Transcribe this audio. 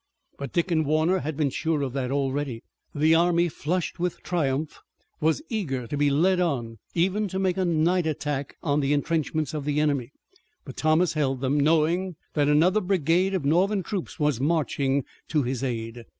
But Dick and Warner had been sure of that already. The army, flushed with triumph, was eager to be led on, even to make a night attack on the intrenchments of the enemy, but Thomas held them, knowing that another brigade of Northern troops was marching to his aid.